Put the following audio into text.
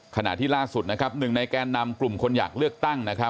ขณะที่ล่าสุดหนึ่งในแกนนำกลุ่มคนอยากเลือกตั้ง